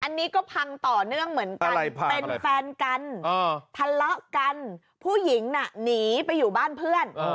อันนี้ก็พังต่อเนื่องเหมือนกันเป็นแฟนกันทะเลาะกันผู้หญิงน่ะหนีไปอยู่บ้านเพื่อน